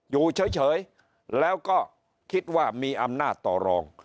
อยู่เฉยแล้วก็คิดว่ามีอำนาจต่อรอง